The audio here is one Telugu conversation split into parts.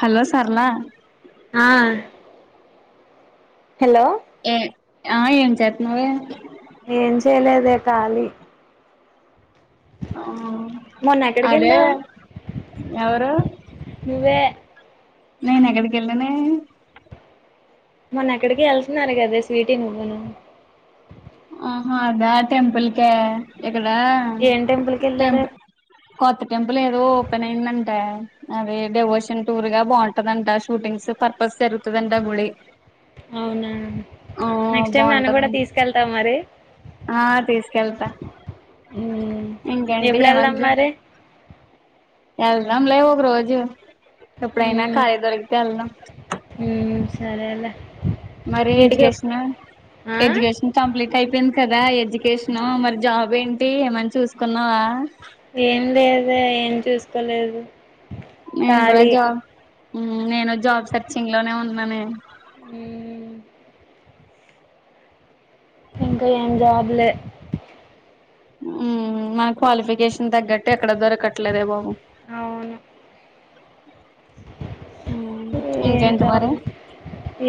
హలో సరళా ఆ హలో ఆ ఏం చేతునావే ఏం చేయలేదే కాళీ మొన్న ఆ ఎక్కడికి అదే వెళ్ళావు ఎవరు నువ్వే నైనేక్కడికెళ్ళానే మొన్న న ఎక్కడికో వెళ్తున్నారు కదే స్వీటీ నువ్వును ఆహా అదా టెంపుల్ కా ఎక్ ఏం టెంపుల్ కెళ్ళారు కొత్త టెంపుల్ ఏదో ఓపెన్ అయిందంట అదే డెవోషన్ టూర్ గా బాగుంటదంట షూటింగ్స్ పర్పస్ జరుగుతుందంట గుడి అవునా ఆ నెక్స్ట్ టైం నన్ను బాగుంటది కూడా తీసుకెళ్త మరి ఆ తీసుకెళ్తా ఇంకేంటి ఎప్పుడు వెళ్దాం ఏమద్దు మరి వెళ్దాం లే ఒకరోజు ఎప్పుడైనా మ్మ్. ఖాళీ దొరికితే వెళ్దాం మ్మ్, సరేలే మరి ఇంటికి ఎప్- ఎడ్యుకేషన్ ఆ ఎడ్యుకేషన్ కంప్లీట్ అయిపోయింది కదా ఎడ్యు కేషన్ మరి జాబ్ ఏంటి తి ఏమన్నా చూసుకున్నావా ఏం లేదే ఏం చూసుకోలేదు నేను కూడా ఖాళీ జాబ్ హ్మ్ నేను జాబ్ సర్చింగ్ లోనే ఉన్నానే హ్మ్ ఇంకా ఏం జాబ్ లే హ్మ్ మన క్వాలిఫికేష గ్గట్ ఎక్కడ దొరకట్లేదే బాబు అవును ఇంకేంటి మరి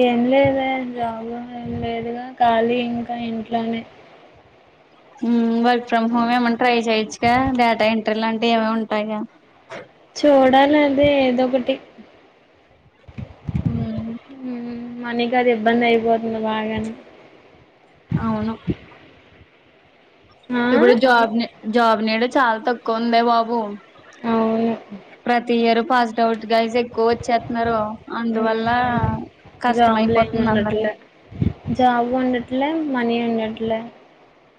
ఏం లేదే జాబు లేదుగా కాళీ ఇంకా ఇంట్లోనే హ్మ్ బట్ ఫ్రమ్ హోమ్ ఏమైన్నా ట్రై చేయొచ్చుగా డేటా ఏం అలాంటివి ఏవో ఉంటాయిగా చూడాల అదే ఏదో ఒకటి హ్మ్ హ్మ్ మనిక అది ఇబ్బంది అయిపోతుంది బాగాని అవును ఆ ఇప్పుడు జాబ్ నే జాబ్ నీడ చాలా తక్కువ ఉందే బాబు అవును ప్రతి ఇయర్ పాస్డ్ డౌట్ గాయ్స్ ఎక్కువ వచ్చేస్తున్నారు అందువల్ల హ్మ్ కష్టం జాబ్ అయిపోతుంది అందరికి ఉండట్లే జాబ్ ఉండట్లా మనీ ఉండట్లా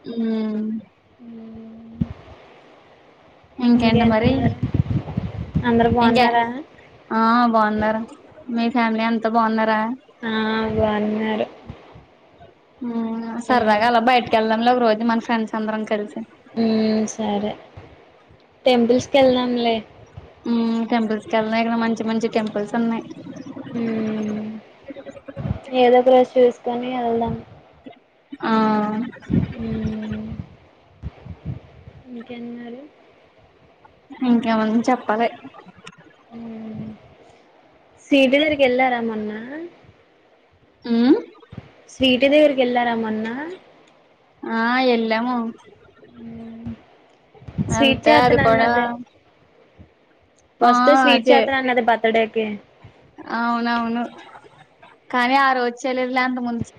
హ్మ్మ్ ఇంకేం ఇంక ఆ బాగున్నారుా మీ ఫ్యామిలీ అంత బాన్నారు ఆ బాన్నారు హ్మ్ సరదాగా అలా బయటకి వెళ్లడం లో ఒక రోజు మనసు ఫ్రెంస్ అందరం కలిసి ఉ సరే టెంపుల్స్కి వెళ్దాంలే టెంపుల్స్ క వెళ్దాయిదా మంచి మంచి టెంపుల్స్ ఉన్నాయి మ్మ్ ఏదో ఒక రోజు చూసుకొని వెళ్దాం ఆ హ్మ్మ్ ఇంకేంది మరి ఇంకేమంది చెప్పాలి సిీట్లరుకి వెళ్లారా మొన్న హ్మ్మ్ స్వీటీ దగ్గరికి వెళ్లారా మొన్న ఆ వెళ్ళాము స్వీట్ అంత అది కూడాడ చేత్తనన్నదే వస్తే స్వీట్స్ అత్రన్న బర్తడే ఓకే అవునవును కానీ ఆ రోజులేదు లేంత ముందు